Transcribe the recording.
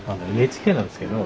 ＮＨＫなんですけど。